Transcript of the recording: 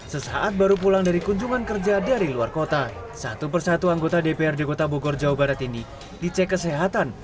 sesaat baru pulang dari kunjungan kerja dari luar kota satu persatu anggota dprd kota bogor jawa barat ini dicek kesehatan